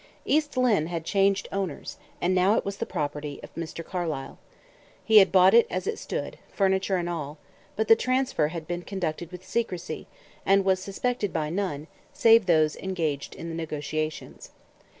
East Lynne had changed owners, and now it was the property of Mr. Carlyle. He had bought it as it stood, furniture and all; but the transfer had been conducted with secrecy, and was suspected by none, save those engaged in the negotiations.